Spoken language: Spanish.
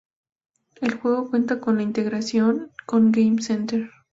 El juego cuenta con la integración con Game Center.